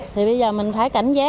thì bây giờ mình phải cảnh giác